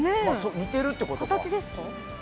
似てるってことですか。